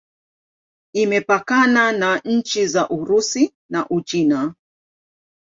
Imepakana na nchi za Urusi na Uchina.